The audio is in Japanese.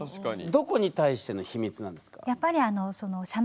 どこに対しての秘密なんですか？